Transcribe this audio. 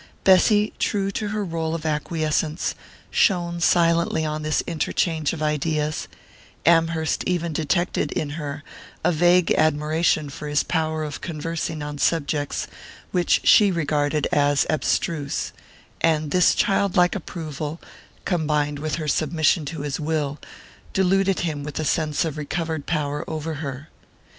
Bessy, true to her new rôle of acquiescence, shone silently on this interchange of ideas; Amherst even detected in her a vague admiration for his power of conversing on subjects which she regarded as abstruse; and this childlike approval, combined with her submission to his will, deluded him with a sense of recovered power over her.